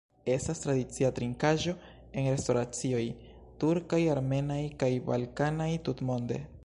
Estas tradicia trinkaĵo en restoracioj turkaj, armenaj kaj balkanaj tutmonde.